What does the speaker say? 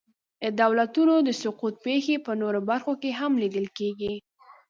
د دولتونو د سقوط پېښې په نورو برخو کې هم لیدل کېږي.